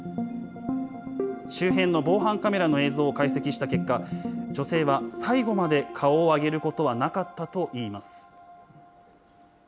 周辺の防犯カメラの映像を解析した結果、女性は最後まで顔を上げることはなかったといいます。